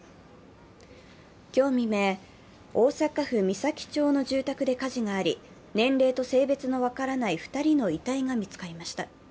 今日未明、大阪府岬町の住宅で火事があり年齢と性別の分からない２人の遺体が見つかりました。